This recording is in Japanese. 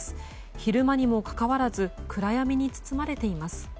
昼間にもかかわらず暗闇に包まれています。